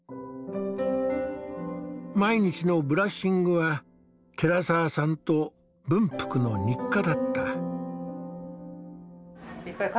毎日のブラッシングは寺澤さんと文福の日課だった。